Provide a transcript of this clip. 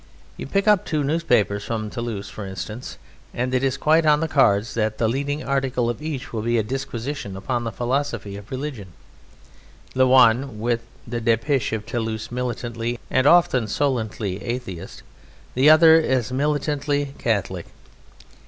You pick up two newspapers from Toulouse, for instance, and it is quite on the cards that the leading article of each will be a disquisition upon the philosophy of religion, the one, the "Depêche" of Toulouse, militantly, and often solently atheist; the other as militantly Catholic.